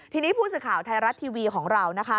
ทีนี้ผู้สื่อข่าวไทยรัฐทีวีของเรา